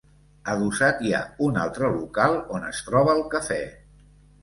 Adossat hi ha un altre local on es troba el cafè.